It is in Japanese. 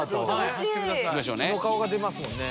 素の顔が出ますもんね。